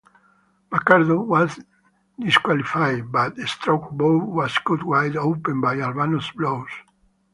McCord was disqualified, but Strongbow was cut wide open by Albano's blows.